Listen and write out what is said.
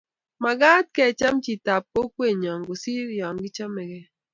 Mekat kecham chitab kokwenyo kosir ya ichomegei